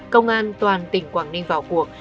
công an toàn tỉnh quảng ninh vào cuộc